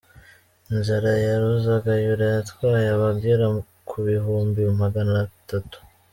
Inzara ya Ruzagayura yatwaye abagera ku kubihumbi Magana atatu